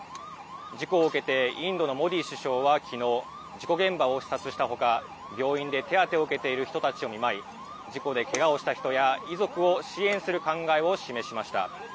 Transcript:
事故を受けて、インドのモディ首相はきのう、事故現場を視察したほか、病院で手当てを受けている人たちを見舞い、事故でけがをした人や、遺族を支援する考えを示しました。